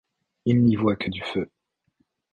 Il n’y voit que du feu !